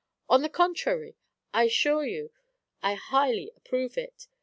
On the contrary, I assure you I highly approve it.